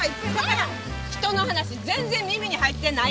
人の話全然耳に入ってない。